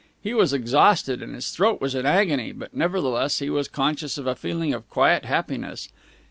He was exhausted, and his throat was in agony, but nevertheless he was conscious of a feeling of quiet happiness.